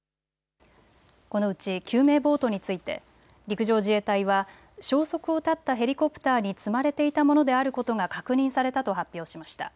このうち救命ボートについて陸上自衛隊は消息を絶ったヘリコプターに積まれていたものであることが確認されたと発表しました。